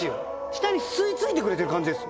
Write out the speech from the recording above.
下に吸い付いてくれてる感じです